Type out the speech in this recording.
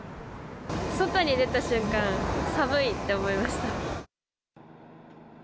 外に出た瞬間、寒い！って思いました。